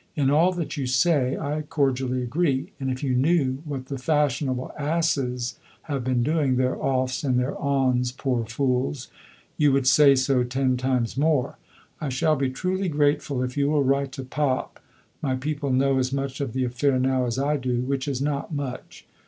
In all that you say I cordially agree, and if you knew what the "fashionable asses" have been doing, their "offs" and their "ons," poor fools! you would say so ten times more. I shall be truly grateful if you will write to Pop my people know as much of the affair now as I do which is not much.